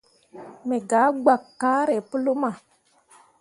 Me gah gbakke kaare pu luma.